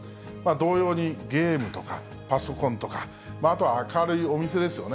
同様に、ゲームとか、パソコンとか、あとは明るいお店ですよね。